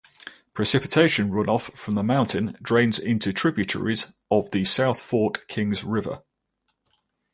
Precipitation runoff from the mountain drains into tributaries of the South Fork Kings River.